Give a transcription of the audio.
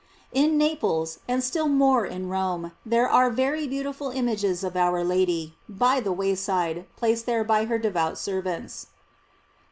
In Naples, and still more in Rome, there are very beautiful images of our Lady, by the way side, placed there by her devout servants.